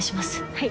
はい。